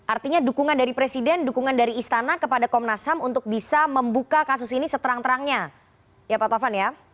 artinya dukungan dari presiden dukungan dari istana kepada komnas ham untuk bisa membuka kasus ini seterang terangnya ya pak taufan ya